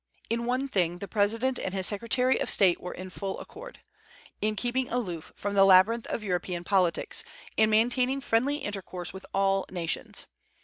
In one thing the President and his Secretary of State were in full accord, in keeping aloof from the labyrinth of European politics, and maintaining friendly intercourse with all nations.